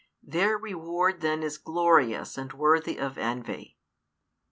Their reward then is glorious and worthy of envy.